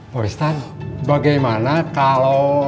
pak ustadz bagaimana kalau